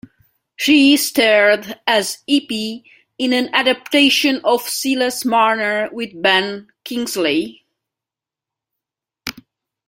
She starred as Eppie in an adaptation of "Silas Marner", with Ben Kingsley.